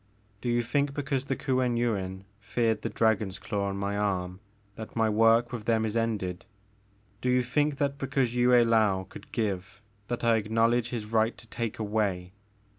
Do you think because the Kuen Yuin feared the dragon's claw on my arm that my work with them is ended? Do you think that because Yue I^ou could give, that I acknowledge his right to take away?